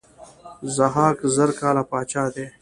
ضحاک زر کاله پاچا دی.